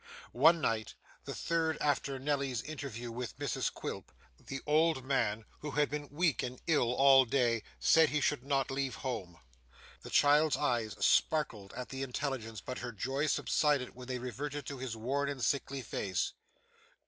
One night, the third after Nelly's interview with Mrs Quilp, the old man, who had been weak and ill all day, said he should not leave home. The child's eyes sparkled at the intelligence, but her joy subsided when they reverted to his worn and sickly face.